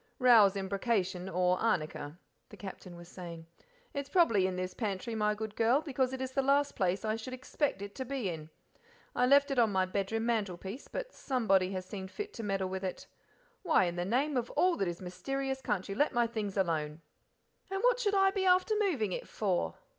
"Row's Embrocation, or arnica," the Captain was saying. "It is probably in this pantry, my good girl, because it is the last place I should expect it to be in. I left it on my bedroom mantelpiece, but somebody has seen fit to meddle with it. Why in the name of all that is mysterious can't you let my things alone?" "And for what should I be after moving it for?"